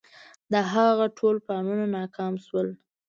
د هغه ټول پلانونه ناکام شول.